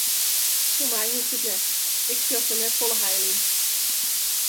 Foar my hoecht it net, ik sjoch der net folle heil yn.